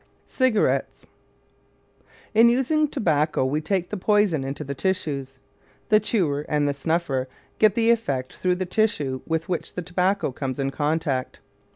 CIGARETTES In using tobacco we take the poison into the tissues. The chewer and the snuffer get the effect through the tissue with which the tobacco comes in contact.